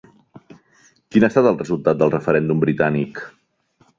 Quin ha estat el resultat del referèndum britànic?